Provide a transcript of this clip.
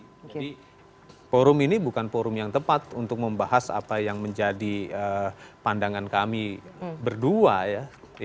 jadi forum ini bukan forum yang tepat untuk membahas apa yang menjadi pandangan kami berdua ya